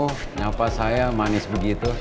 kenapa saya manis begitu